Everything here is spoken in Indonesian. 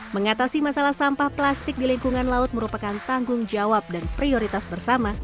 mengatasi masalah sampah plastik di lingkungan laut merupakan tanggung jawab dan prioritas bersama